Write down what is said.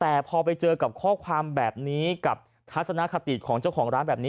แต่พอไปเจอกับข้อความแบบนี้กับทัศนคติของเจ้าของร้านแบบนี้